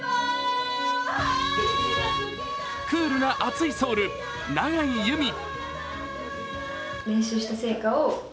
クールな熱いソウル、永井結海。